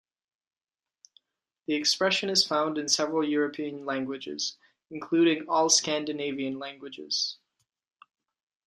The expression is found in several European languages, including all Scandinavian languages.